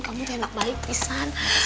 kamu tenang baik pisan